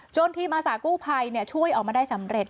ทีมอาสากู้ภัยช่วยออกมาได้สำเร็จ